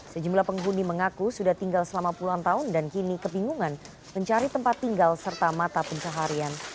sejumlah penghuni mengaku sudah tinggal selama puluhan tahun dan kini kebingungan mencari tempat tinggal serta mata pencaharian